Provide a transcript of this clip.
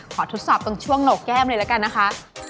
ทดสอบตรงช่วงโหนกแก้มเลยละกันนะคะ